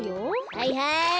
はいはい。